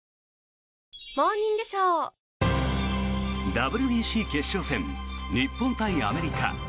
ＷＢＣ決勝戦日本対アメリカ。